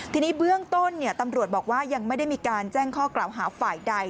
ทีนี้เบื้องต้นตำรวจบอกว่ายังไม่ได้มีการแจ้งข้อกล่าวหาฝ่ายใด